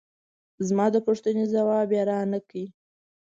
زما د پوښتنې ځواب یې را نه کړ.